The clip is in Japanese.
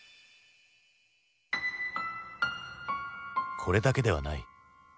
これだけではない。